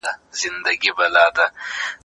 د علمي څېړنې ته د زیرمتونونو اړتیا سته.